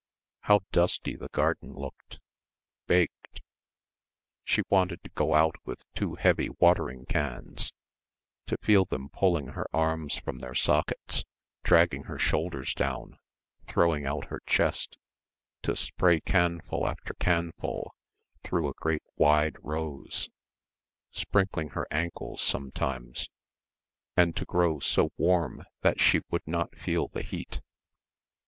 how dusty the garden looked, baked. She wanted to go out with two heavy watering cans, to feel them pulling her arms from their sockets, dragging her shoulders down, throwing out her chest, to spray canful after canful through a great wide rose, sprinkling her ankles sometimes, and to grow so warm that she would not feel the heat.